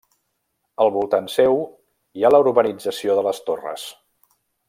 Al voltant seu hi ha la urbanització de les Torres.